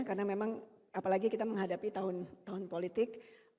karena memang apalagi kita menghadapi tahun tahun politik